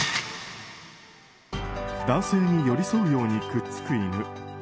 男性に寄り添うようにくっつく犬。